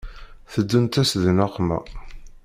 Teddunt-as di nneqma